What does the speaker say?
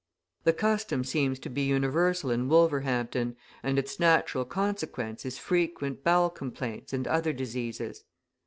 The custom seems to be universal in Wolverhampton, and its natural consequence is frequent bowel complaints and other diseases.